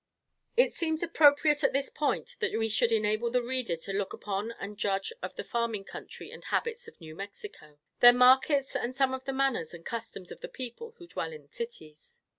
It seems appropriate at this point, that we should enable the reader to look upon and judge of the farming country and habits of New Mexico; their markets, and some of the manners and customs of the people who dwell in cities.